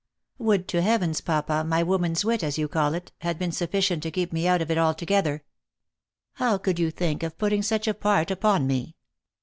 "Would to Heavens, papa, my woman s wit, as you call it, had been sufficient to keep me out of it al together. How could you think of putting such a part upon me